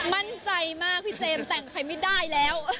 มั่นใจมากพี่เจมส์แต่งใครไม่ได้แล้ว